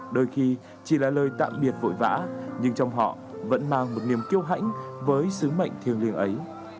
đôi khi chỉ là lời tạm biệt vội vã nhưng trong họ vẫn mang một niềm kiêu hãnh với sứ mệnh thiêng liêng ấy